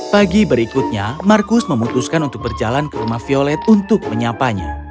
pagi berikutnya markus memutuskan untuk berjalan ke rumah violet untuk menyapanya